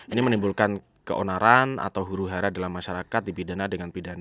ini menimbulkan keonaran atau huru hara dalam masyarakat dipidana dengan pidana